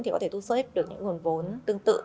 thì có thể thu xếp được những nguồn vốn tương tự